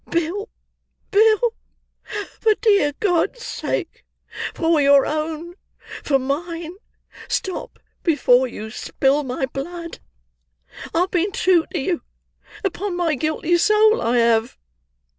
Bill, Bill, for dear God's sake, for your own, for mine, stop before you spill my blood! I have been true to you, upon my guilty soul I have!"